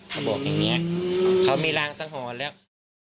เขาบอกอย่างนี้เขามีรางสังหรณ์แล้ว